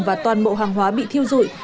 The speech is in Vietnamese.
và toàn bộ hàng hóa bị thiêu rụi